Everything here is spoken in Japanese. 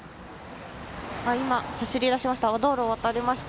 今、走り出しました。